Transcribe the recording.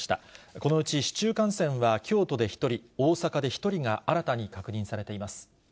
このうち市中感染は京都で１人、大阪で１人が新たに確認されています。